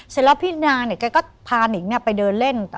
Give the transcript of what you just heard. เสร็จแล้วพี่นางเนี่ยแกก็พานิงไปเดินเล่น